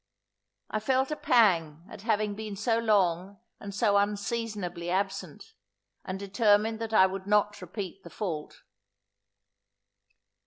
I felt a pang at having been so long and so unseasonably absent, and determined that I would not repeat the fault.